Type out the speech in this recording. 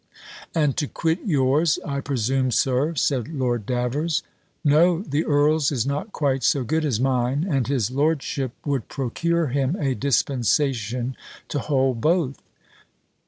"And to quit yours, I presume, Sir," said Lord Davers. "No, the earl's is not quite so good as mine, and his lordship would procure him a dispensation to hold both.